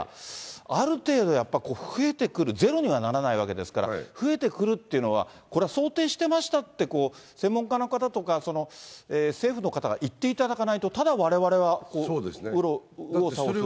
ある程度やっぱり増えてくる、ゼロにはならないわけですから、増えてくるっていうのは、これは想定してましたって、専門家の方とか、政府の方が言っていただかないと、ただわれわれは右往左往すると。